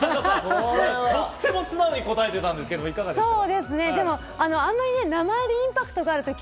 とっても素直に答えていたんですけど、いかがですか？